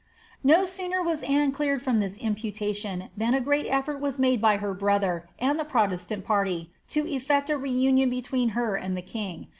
"' No sooner was Anne cleared from this imputation, than a great effort was made by her brother, and the protestant party, to effect a reunion between her and the king.